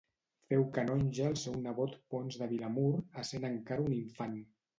Féu canonge el seu nebot Ponç de Vilamur essent encara un infant.